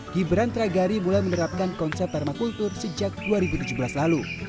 gibran tragari mulai menerapkan konsep permakultur sejak dua ribu tujuh belas lalu